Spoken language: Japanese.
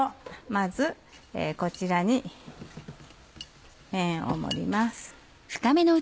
まずこちらに麺を盛ります。